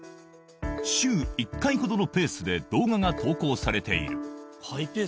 週１回ほどのペースで動画が投稿されている。